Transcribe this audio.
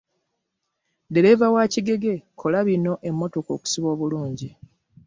Ddereva wa Kigege kola bino emotoka okusiba obulunji.